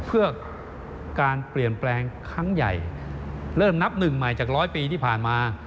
เพื่อการเปลี่ยนแปลงครั้งใหญ่เริ่มนับหนึ่งใหม่จากร้อยปีที่ผ่านมา